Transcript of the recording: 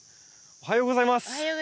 おはようございます。